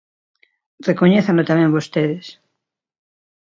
Recoñézano tamén vostedes.